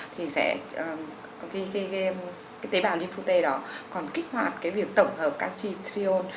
thì sẽ cái tế bào lympho t đó còn kích hoạt cái việc tổng hợp canxi triol